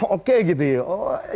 oke gitu ya